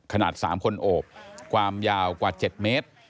ขนาด๓คนโอบความยาวกว่า๗เมตร